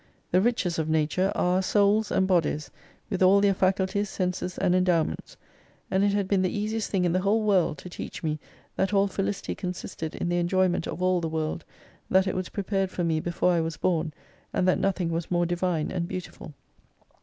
The riches of Nature are our Souls and Bodies, with all their faculties, senses, and endowments. And it had been the easiest thing in the whole world to teach me that all felicity consisted in the enjoyment of all the world, that it was prepared for me before I was born, and that nothing was more divine and beautiful.